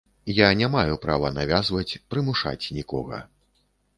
Я не маю права навязваць, прымушаць нікога.